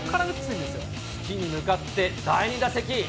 次に向かって第２打席。